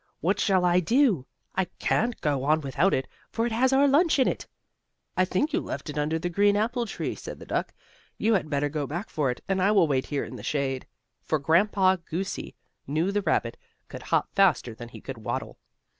What shall I do? I can't go on without it, for it has our lunch in it." "I think you left it under the green apple tree," said the duck. "You had better go back for it, and I will wait here in the shade," for Grandpa Goosey knew the rabbit could hop faster than he could waddle.